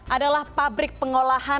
adalah pabrik pengolahan